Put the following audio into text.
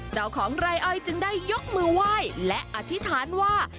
เจ้าของไร่อ้อยจึงได้ยกมือไหว้และอธิษฐานว่า